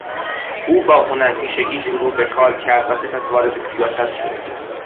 او با هنرپیشگی شروع به کار کرد و سپس وارد سیاست شد.